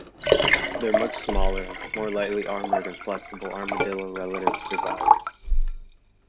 Their much smaller, more lightly armored and flexible armadillo relatives survived.